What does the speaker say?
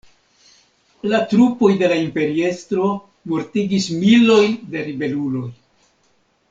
La trupoj de la imperiestro mortigis milojn da ribeluloj.